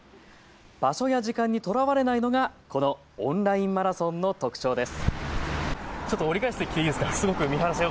場所や時間にとらわれないのがこのオンラインマラソンの特徴です。